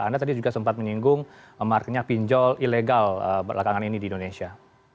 anda tadi juga sempat menyinggung marketnya pinjol ilegal belakangan ini di indonesia